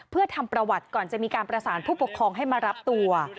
เพื่อทำประวัติก่อนจะมีการประสานผู้ปกครองให้มารับตัว